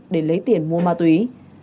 để lấy tiền mua ma túy